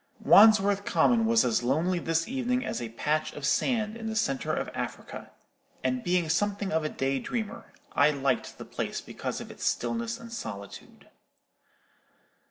Wandsworth Common was as lonely this evening as a patch of sand in the centre of Africa; and being something of a day dreamer, I liked the place because of its stillness and solitude.